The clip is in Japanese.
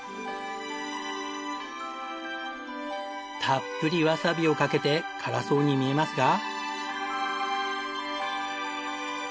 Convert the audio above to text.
たっぷりわさびをかけて辛そうに見えますが。